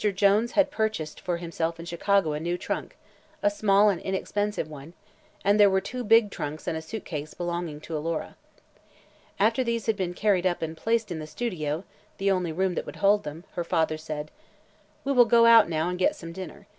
Jones had purchased for himself in Chicago a new trunk a small and inexpensive one and there were two big trunks and a suitcase belonging to Alora. After these had been carried up and placed in the studio the only room that would hold them her father said: "We will go out now and get some dinner.